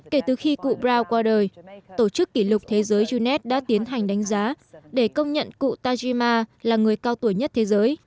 kể từ khi cụ brow qua đời tổ chức kỷ lục thế giới unet đã tiến hành đánh giá để công nhận cụ tajima là người cao tuổi nhất thế giới